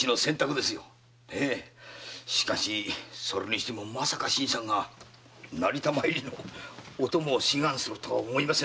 しかしそれにしてもまさか新さんが成田参りのお供を志願するとは思いませんでしたな。